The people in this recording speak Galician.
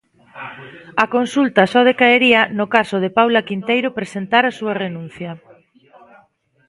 A consulta só decaería no caso de Paula Quinteiro presentar a súa renuncia.